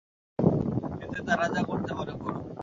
এতে তারা যা করতে পারে করুক।